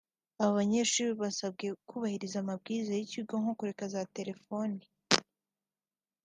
Abo banyeshuri basabwe kubahiriza amabwiriza y’ikigo nko kureka za telefoni